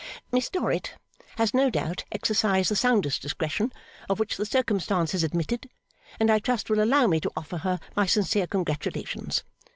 ') 'Miss Dorrit has no doubt exercised the soundest discretion of which the circumstances admitted, and I trust will allow me to offer her my sincere congratulations.